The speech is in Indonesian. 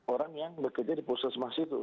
orang yang bekerja di pusat semah situ smp